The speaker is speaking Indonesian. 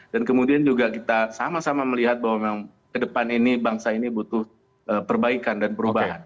dan kemudian juga kita sama sama melihat bahwa memang ke depan ini bangsa ini butuh perbaikan dan perubahan